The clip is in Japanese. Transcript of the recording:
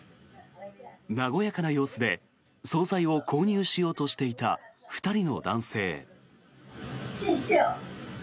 和やかな様子で総菜を購入しようとしていた２人の男性。